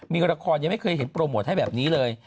มีละครยังไม่เคยเห็นโปรโมทให้แบบนี้เลย